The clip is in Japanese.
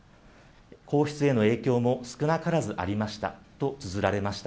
皇室への影響も少なからずありましたとつづられました。